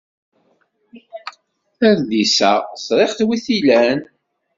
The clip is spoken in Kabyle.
Adlis-a ẓriɣ wi t-ilan.